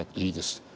いいです。